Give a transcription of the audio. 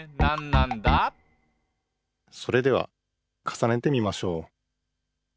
「それではかさねてみましょう」